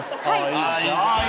はい。